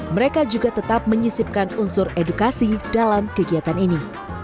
mereka juga tetap menyisipkan unsur edukasi dalam kegiatan ini